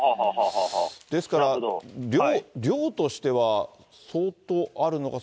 ですから量としては相当あるのか。